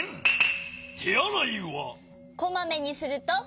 こまめにすると。